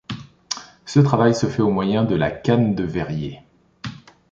Ce travail se fait au moyen de la canne de verrier.